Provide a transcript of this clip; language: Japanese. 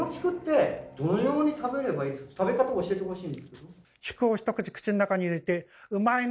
食べ方教えてほしいんですけど。